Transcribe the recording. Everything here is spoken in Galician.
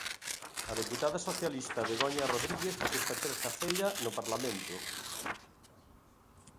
A deputada socialista Begoña Rodríguez, esta terza feira, no Parlamento.